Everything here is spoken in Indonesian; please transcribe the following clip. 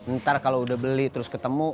ntar kalau udah beli terus ketemu